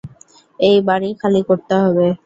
এই বাড়ি খালি করতে হবে।